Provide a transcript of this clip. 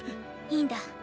・いいんだ。